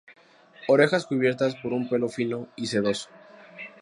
Orejas cubiertas por un pelo fino y sedoso.